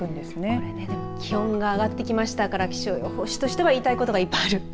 これででも気温が上がってきましたから気象予報士としてはいいたいことがいっぱいある。